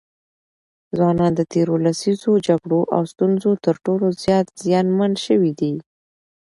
ځوانان د تېرو لسیزو جګړو او ستونزو تر ټولو زیات زیانمن سوي دي.